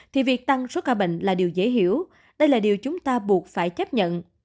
thì việc tăng số ca bệnh là điều dễ hiểu đây là điều chúng ta buộc phải chấp nhận